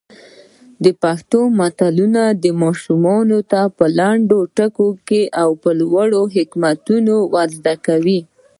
پښتو متلونه ماشومانو ته په لنډو ټکو کې لوی حکمتونه ور زده کوي.